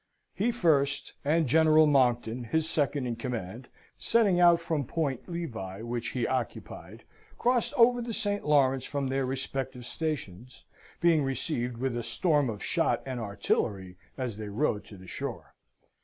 He first, and General Monckton, his second in command (setting out from Point Levi, which he occupied), crossed over the St. Lawrence from their respective stations, being received with a storm of shot and artillery as they rowed to the shore.